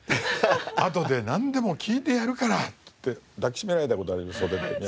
「あとでなんでも聞いてやるから」って言って抱き締められた事あります袖で。